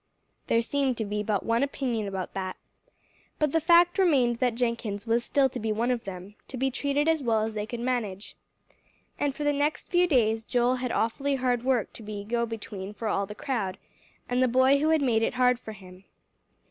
There seemed to be but one opinion about that. But the fact remained that Jenkins was still to be one of them, to be treated as well as they could manage. And for the next few days, Joel had awfully hard work to be go between for all the crowd, and the boy who had made it hard for him.